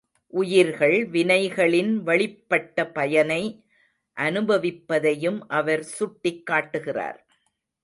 உயிர்கள் வினைகளின் வழிப்பட்டபயனை அனுபவிப்பதையும் அவர் சுட்டிக் காட்டுகிறார்.